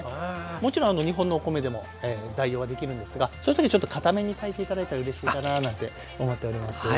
もちろん日本のお米でも代用はできるんですがそういう時はちょっとかために炊いて頂いたらうれしいかななんて思っております。